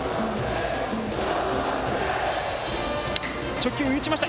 直球、打ちました。